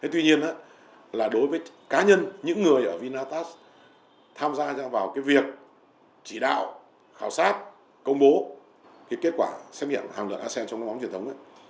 tuy nhiên đối với cá nhân những người ở vinatax tham gia vào việc chỉ đạo khảo sát công bố kết quả xét nghiệm hàng lợi asean trong các bóng truyền thống